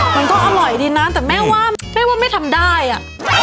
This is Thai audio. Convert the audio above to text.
มันก็อร่อยดีนะแต่แม่ว่าแม่ว่าไม่ทำได้อ่ะ